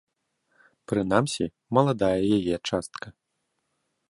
Прынамсі, маладая яе частка.